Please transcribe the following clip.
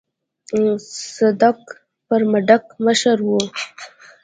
صدک پر منډک مشر و.